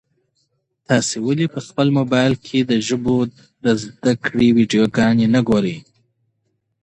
تاسي ولي په خپل موبایل کي د ژبو د زده کړې ویډیوګانې نه ګورئ؟